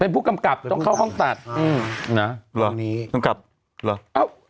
เป็นผู้กำกับต้องเข้าห้องตัดอืมนะเหรอนี้ต้องกลับเหรอเอ้า